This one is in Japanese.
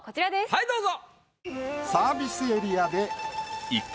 はいどうぞ。